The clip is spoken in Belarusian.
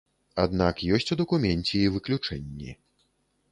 Аднак ёсць у дакуменце і выключэнні.